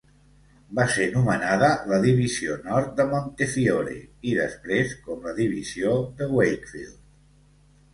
Va ser nomenada la divisió nord de Montefiore, i després com la divisió de Wakefield.